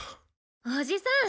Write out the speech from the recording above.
おじさん！